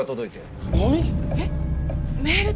えっ？